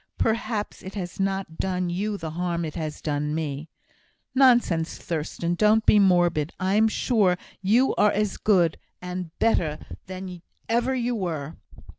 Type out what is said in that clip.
"Perhaps it has not done you the harm it has done me." "Nonsense! Thurstan. Don't be morbid. I'm sure you are as good and better than ever you were."